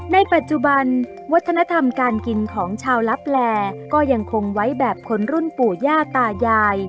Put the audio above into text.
ในปัจจุบันวัฒนธรรมการกินของชาวลับแลก็ยังคงไว้แบบคนรุ่นปู่ย่าตายาย